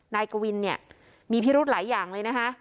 นายกวินเนี่ยมีพิรุธหลายอย่างเลยนะคะ